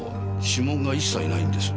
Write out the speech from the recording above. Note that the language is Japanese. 指紋が一切ないんです